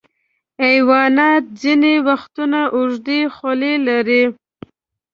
حیوانات ځینې وختونه اوږدې خولۍ لري.